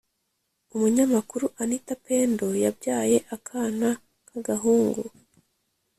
Umunyamakuru anita pendo yabyaye akana kagahungu